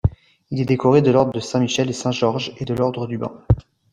Il est décoré de l'ordre de Saint-Michel et Saint-Georges et de l'ordre du Bain.